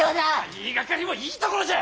言いがかりもいいところじゃ！